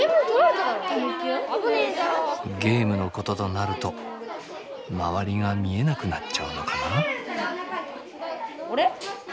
ゲームのこととなると周りが見えなくなっちゃうのかな？